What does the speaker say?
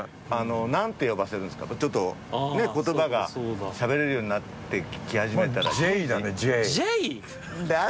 ちょっと言葉がしゃべれるようになってき始めたら。